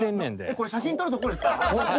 これ写真撮るとこですか？